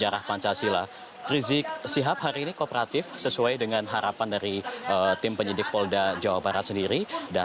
rizik shihab berkata